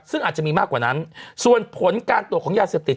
ซึ่งอาจจะมีมากกว่านั้นส่วนผลการตรวจของยาเสพติด